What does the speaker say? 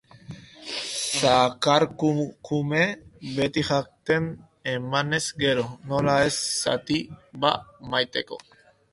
Zakurkume bati jaten emanez gero, nola ez zaitu, ba, maiteko!